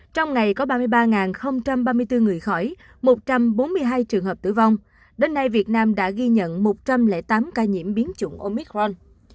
trong ngày có ba mươi ba ba mươi bốn người khỏi một trăm bốn mươi hai trường hợp tử vong đến nay việt nam đã ghi nhận một trăm linh tám ca nhiễm biến chủng omicron